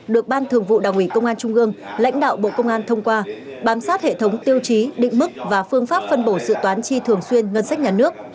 được ban thường vụ đảng ủy công an trung ương lãnh đạo bộ công an thông qua bám sát hệ thống tiêu chí định mức và phương pháp phân bổ dự toán chi thường xuyên ngân sách nhà nước